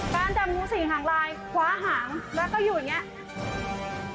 การจำงูสี่หางลายคว้าหางแล้วก็อยู่อย่างนี้